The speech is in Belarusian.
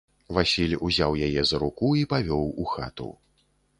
Васіль узяў яе за руку і павёў у хату.